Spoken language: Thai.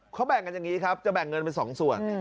เขาแบ่งกันอย่างนี้ครับจะแบ่งเงินเป็น๒ส่วน